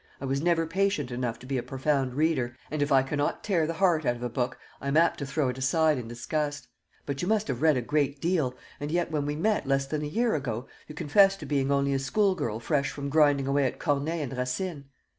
I was never patient enough to be a profound reader; and if I cannot tear the heart out of a book, I am apt to throw it aside in disgust. But you must have read a great deal; and yet when we met, less than a year ago, you confessed to being only a schoolgirl fresh from grinding away at Corneille and Racine."